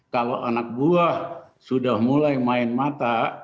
kalau anak buah sudah mulai main mata